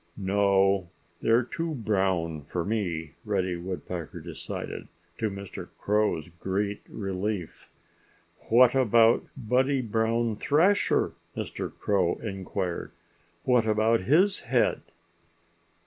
"No! They're too brown for me," Reddy Woodpecker decided, to Mr. Crow's great relief. "What about Buddy Brown Thrasher?" Mr. Crow inquired. "What about his head?"